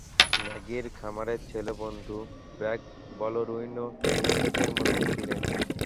ম্যাগির খামারের ছেলেবন্ধু ব্রেক বলড়ুইনও নিহতদের মধ্যে ছিলেন।